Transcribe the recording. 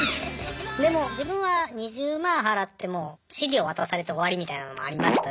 でも自分は２０万払っても資料渡されて終わりみたいなのもありましたし。